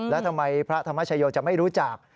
แล้วทำไมพระธรรมชโยจะไม่รู้จัก